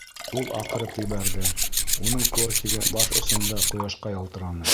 Ул аҡырып ебәрҙе, уның кортигы баш осомда ҡояшҡа ялтыраны.